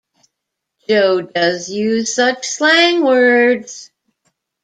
Jo does use such slang words!